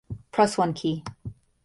Press one key.